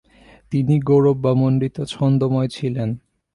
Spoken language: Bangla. তিনি গৌরবামণ্ডিত ছন্দময় ছিলেন।